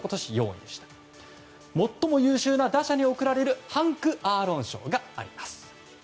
最も優秀な打者に贈られるハンク・アーロン賞があります。